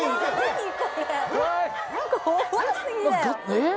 えっ！？